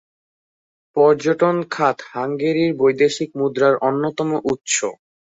পর্যটন খাত হাঙ্গেরির বৈদেশিক মুদ্রার অন্যতম উৎস।